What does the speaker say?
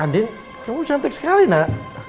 andi kamu cantik sekali nak